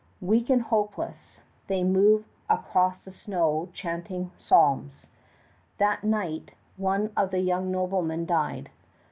Weak and hopeless, they move across the snows chanting psalms. That night one of the young noblemen died.